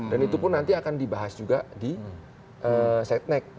dan itu pun nanti akan dibahas juga di setnek